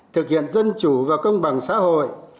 thực hiện dân chủ và công bằng xã hội